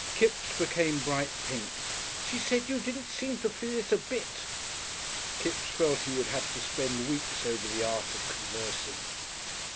Kipps became bright pink. "She said you didn't seem to feel it a bit." Kipps felt he would have to spend weeks over "The Art of Conversing."